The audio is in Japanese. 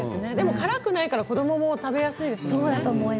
辛くないから子どもも食べやすいですね。